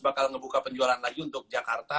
bakal ngebuka penjualan lagi untuk jakarta